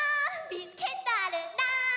ビスケットあるんだ！